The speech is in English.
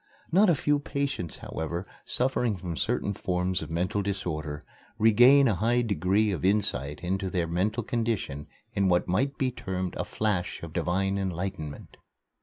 Not a few patients, however, suffering from certain forms of mental disorder, regain a high degree of insight into their mental condition in what might be termed a flash of divine enlightenment.